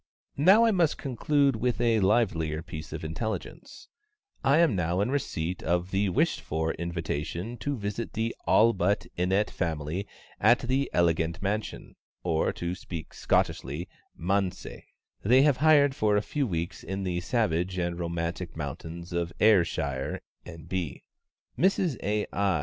Now I must conclude with a livelier piece of intelligence: I am now in receipt of the wished for invitation to visit the ALLBUTT INNETT family at the elegant mansion (or to speak Scottishly "manse") they have hired for a few weeks in the savage and romantic mountains of Ayrshire, N.B. Mrs A. I.